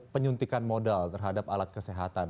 penyuntikan modal terhadap alat kesehatan